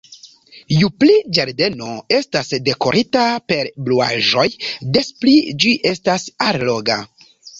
Ju pli ĝardeno estas dekorita per bluaĵoj, des pli ĝi estas alloga.